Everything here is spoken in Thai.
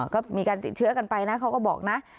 ก็มีการติดเชื้อกันไปนะเขาก็บอกนะ